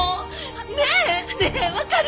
ねえ？ねえわかる？